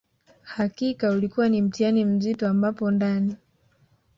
Hakika ulikua ni mtihani mzito ambapo ndani